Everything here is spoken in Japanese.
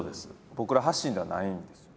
僕ら発信ではないんですよね。